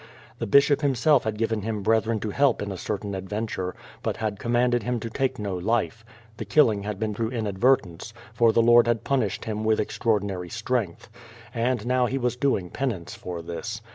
The bishop himself had given him brethren to help in a certain adventure, but had commanded him to take no life. The killing had been through inadvertence, "for the Lord had puitished him with extraordinary strength. And now he was doing penance for this.